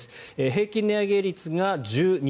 平均値上げ率が１２％。